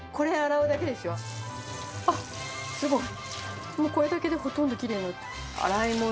あっすごい。